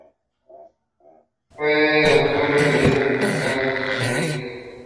Mahmoudi won the fight by unanimous decision.